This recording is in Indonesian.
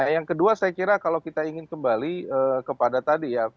yang kedua saya kira kalau kita ingin kembali kepada tadi ya